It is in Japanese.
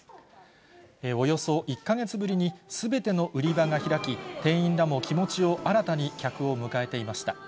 およそ１か月ぶりにすべての売り場が開き、店員らも気持ちを新たに客を迎えていました。